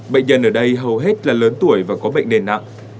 bệnh nhân ở đây hầu hết là lớn tuổi và có bệnh nền nặng